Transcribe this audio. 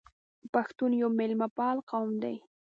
پښتون یو میلمه پال قوم دی.